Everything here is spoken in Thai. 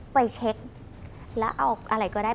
ไปเช็คแล้วเอาอะไรก็ได้